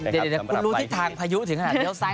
เดี๋ยวกูรู้ที่ทางพายุถึงหรอ